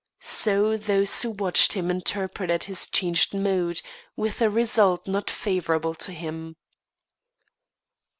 So those who watched him interpreted his changed mood, with a result not favourable to him.